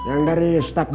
yang dari stab desa